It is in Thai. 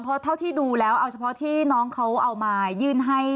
เพราะเท่าที่ดูแล้วเอาเฉพาะที่น้องเขาเอามายื่นให้